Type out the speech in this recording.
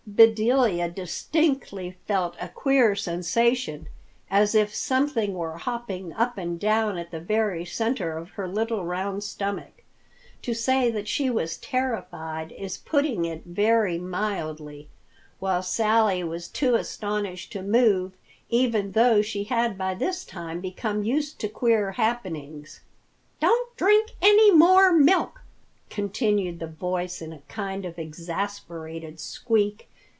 Bedelia distinctly felt a queer sensation as if something were hopping up and down at the very center of her little, round stomach. To say that she was terrified is putting it very mildly, while Sally was too astonished to move, even though she had by this time become used to queer happenings. "Don't drink any more milk," continued the voice in a kind of exasperated squeak.